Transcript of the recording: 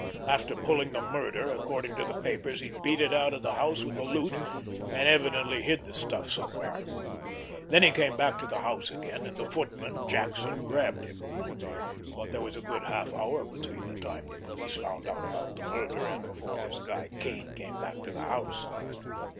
After pulling the murder, according to the papers, he beat it out of the house with the loot, and evidently hid the stuff somewhere. Then he came back to the house again, and the footman, Jackson, grabbed him. But there was a good half hour between the time the police found out about the murder and before this guy Kane came back to the house.